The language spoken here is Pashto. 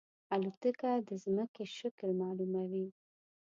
الوتکه د زمکې شکل معلوموي.